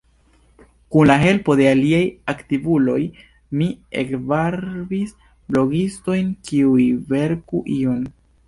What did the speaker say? Kun la helpo de aliaj aktivuloj, mi ekvarbis blogistojn kiuj verku ion.